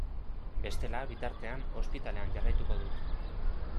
Bestela, bitartean, ospitalean jarraituko dut.